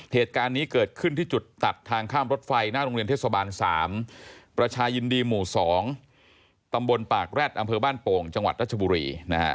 เหตุการณ์นี้เกิดขึ้นที่จุดตัดทางข้ามรถไฟหน้าโรงเรียนเทศบาล๓ประชายินดีหมู่๒ตำบลปากแร็ดอำเภอบ้านโป่งจังหวัดรัชบุรี